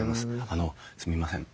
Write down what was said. あのすみません。